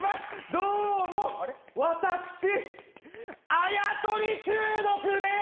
どうもわたくしあやとり中毒です！